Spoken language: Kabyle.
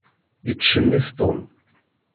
Yettcennif Tom.